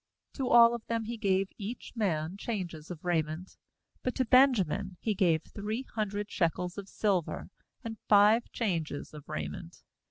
^To all of them he gave each man changes of raiment; but to Benjamin he gave three hundred shekels of silver, and five changes of raiment.